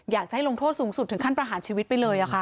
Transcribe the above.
อยากจะให้ลงโทษสูงสุดถึงขั้นประหารชีวิตไปเลยค่ะ